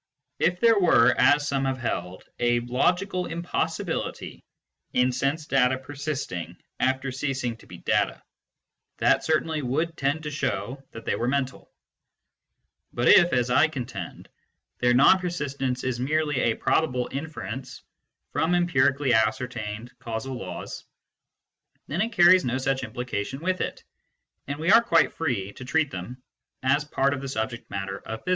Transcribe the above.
If there were, as some have held, a logical impossibility in sense data persisting after ceasing to be data, that certainly would tend to show that they were mental ; but if, as I contend, their non persistence is merely a probable inference from empirically ascer tained causal laws, then it carries no such implication with it, and we are quite free to treat them as part of the subject matter of physics.